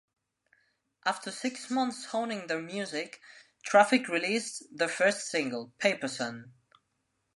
After six months honing their music, Traffic released their first single, "Paper Sun".